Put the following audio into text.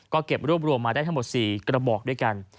ก็เก็บรวบรวมมาได้ทั้งหมด๔กระบอกด้วยกัน